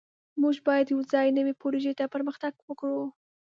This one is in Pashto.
موږ باید یوځای نوې پروژې ته پرمختګ وکړو.